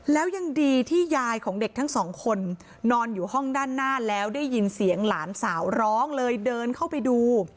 แล้วยังดีที่ยายของเด็กทั้งสองคนนอนอยู่ห้องด้านหน้าแล้วได้ยินเสียงหลานสาวร้องเลยเดินเข้าไปดู